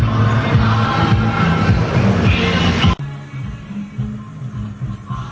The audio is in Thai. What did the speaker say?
สวัสดีครับวันนี้ชัพเบียนเอ้าเฮ้ย